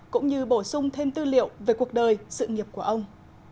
cũng như bổ sung thêm tư liệu về cuộc đời sự nghiệp của ông